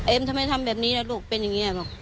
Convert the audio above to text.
เอ็มทำไมทำแบบนี้นะลูกเป็นอย่างเงี้ย